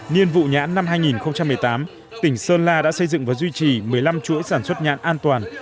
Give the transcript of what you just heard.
nhiên vụ nhãn năm hai nghìn một mươi tám tỉnh sơn la đã xây dựng và duy trì một mươi năm chuỗi sản xuất nhãn an toàn